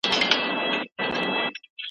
انا غواړي چې په دې کور کې د زړه سکون ومومي.